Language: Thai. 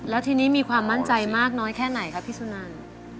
แล้วทีนี้มีความมั่นใจมากน้อยแค่ไหนคะพี่สุนัน